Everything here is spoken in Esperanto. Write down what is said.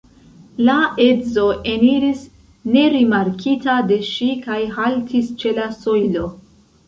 La edzo eniris nerimarkita de ŝi kaj haltis ĉe la sojlo.